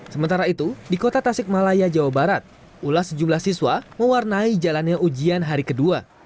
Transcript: sementara itu di kota tasik malaya jawa barat ulas sejumlah siswa mewarnai jalannya ujian hari kedua